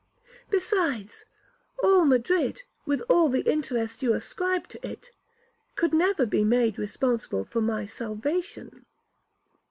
Besides, all Madrid, with all the interest you ascribe to it, could never be made responsible for my salvation.'